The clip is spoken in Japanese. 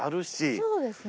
そうですね。